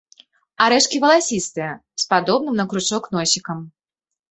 Арэшкі валасістыя, з падобным на кручок носікам.